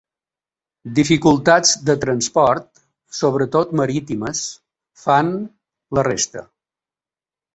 Dificultats de transport, sobretot marítimes, fan la resta.